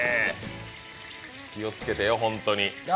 気をつけてよ、ホントに。